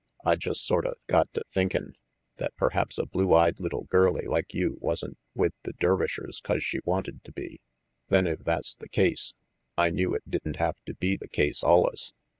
I just sorta got to thinkin' that perhaps a blue eyed little girlie like you wasn't with the Dervishers 'cause she wanted to be. Then if that's the case, I knew it didn't have to be the case allus.